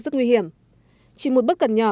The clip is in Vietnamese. rất nguy hiểm chỉ một bất cẩn nhỏ